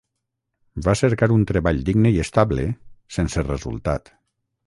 Va cercar un treball digne i estable, sense resultat.